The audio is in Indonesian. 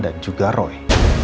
ah kau kapal kok